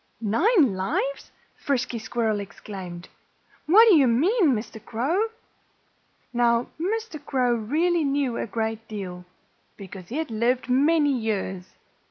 "Nine lives!" Frisky Squirrel exclaimed. "What do you mean, Mr. Crow?" Now, Mr. Crow really knew a great deal, because he had lived many years.